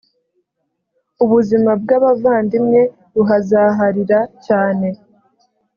ubuzima bw abavandimwe buhazaharira cyane